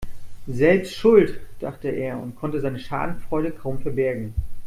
Selbst schuld, dachte er und konnte seine Schadenfreude kaum verbergen.